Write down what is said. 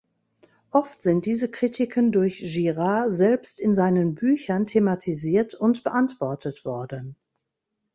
Oft sind diese Kritiken durch Girard selbst in seinen Büchern thematisiert und beantwortet worden.